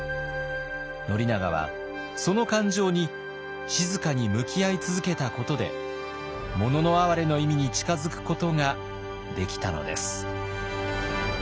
宣長はその感情に静かに向き合い続けたことで「もののあはれ」の意味に近づくことができたのです。